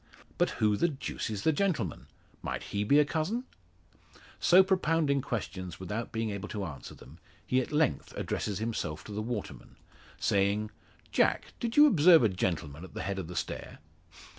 But who the deuce is the gentleman? Might he be a cousin?" So propounding questions without being able to answer them, he at length addresses himself to the waterman, saying: "Jack, did you observe a gentleman at the head of the stair?"